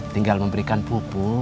tinggal memberikan pupuk